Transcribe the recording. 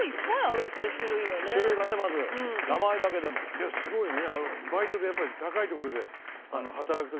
いやすごいよね。